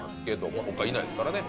他いないですからね。